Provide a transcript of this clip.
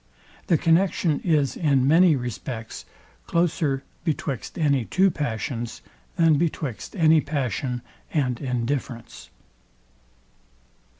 The connexion is in many respects closer betwixt any two passions, than betwixt any passion and indifference.